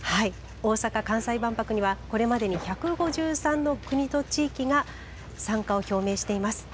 大阪・関西万博にはこれまでに１５３の国と地域が参加を表明しています。